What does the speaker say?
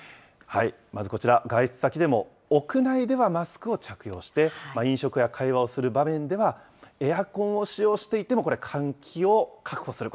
まずこちら、外出先でも屋内ではマスクを着用して、飲食や会話をする場面では、エアコンを使用していても、これ、換気を確保する。